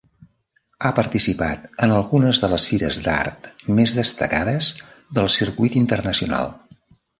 Ha participat en algunes de les fires d'art més destacades del circuit internacional.